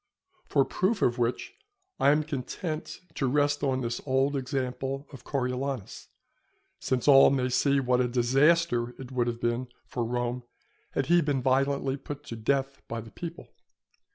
For proof of which I am content to rest on this old example of Coriolanus, since all may see what a disaster it would have been for Rome had he been violently put to death by the people.